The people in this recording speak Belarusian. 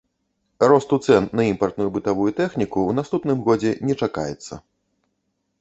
Росту цэн на імпартную бытавую тэхніку ў наступным годзе не чакаецца.